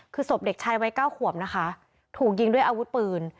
คือศพเด็กชายวัยเก้าขวบนะคะถูกยิงด้วยอาวุธปืน